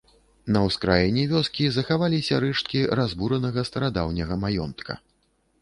На ўскраіне вёскі захаваліся рэшткі разбуранага старадаўняга маёнтка.